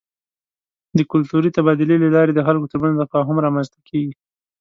د کلتوري تبادلې له لارې د خلکو ترمنځ تفاهم رامنځته کېږي.